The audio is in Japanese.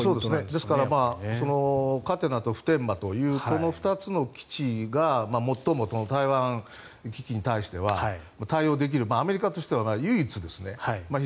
ですからそれは嘉手納と普天間というこの２つの基地が最も台湾危機に対しては対応できるアメリカとしては唯一ですね